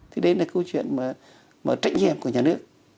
thì đấy là câu chuyện mà trách nhiệm của nhà nước